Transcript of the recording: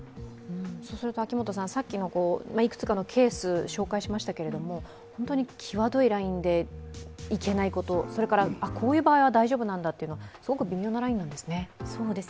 先ほどいくつかのケースを紹介しましたけれども、本当に際どいラインでいけないこと、それから、こういう場合は大丈夫なんだというのはすごく微妙なラインなんですね。